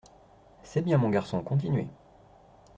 C’est bien, mon garçon, continuez !